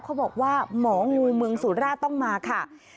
เขาบอกว่าหมองูเมืองสุราชต้องมาค่ะ